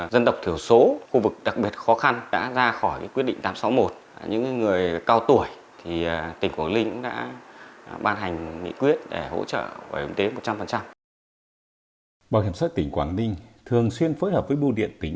bảo hiểm xã hội tỉnh quảng ninh thường xuyên phối hợp với bưu điện tỉnh